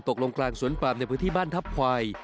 ตกลงกลางสวนปลาบในพืชที่บ้านทัพควาย